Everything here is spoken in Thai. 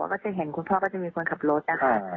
ก็จะเห็นคุณพ่อก็จะมีคนขับรถนะคะ